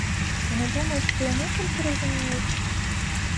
Яны думаюць, што яны толькі разумеюць?